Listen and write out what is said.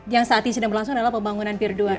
yang saat ini sudah berlangsung adalah pembangunan pir dua